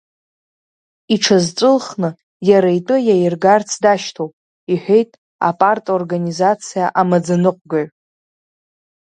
Иҽазҵәылхны иара итәы иаиргарц дашьҭоуп, — иҳәеит апарторганизациа амаӡаныҟәгаҩ.